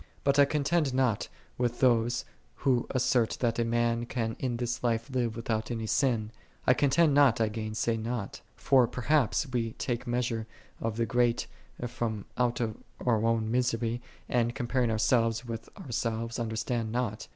51. But I contend not with those, who as sert that a man can in this life live without any sin: I contend not, I gainsay not. For perhaps we take measure of the great from out our own misery, and, comparing ourselves with ourselves, understand not.